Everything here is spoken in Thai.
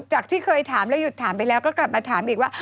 จากที่เคยถามแล้วหยุดถามไปแล้วก็กลับมาถามอีกว่า